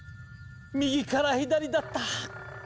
右から左だった。